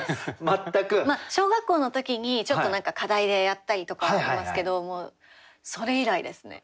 全く？小学校の時にちょっと何か課題でやったりとかはしてますけどもうそれ以来ですね。